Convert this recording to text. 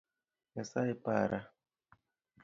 Nyasaye para!